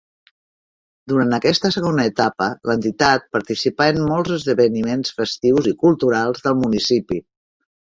Durant aquesta segona etapa, l'entitat participà en molts esdeveniments festius i culturals del municipi.